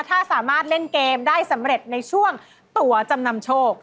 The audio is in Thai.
ถ้าสามารถเล่นเกมได้สำเร็จในช่วงตัวจำนำโชค